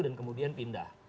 dan kemudian pindah